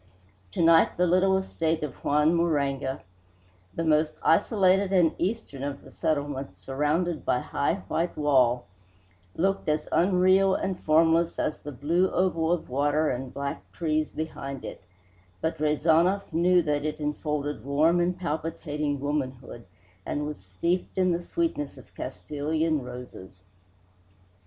To night the little estate of Juan Moraga, the most isolated and eastern of the settlement, surrounded by its high white wall, looked as unreal and formless as the blue oval of water and black trees behind it, but Rezanov knew that it enfolded warm and palpitating womanhood and was steeped in the sweetness of Castilian roses.